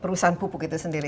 perusahaan pupuk itu sendiri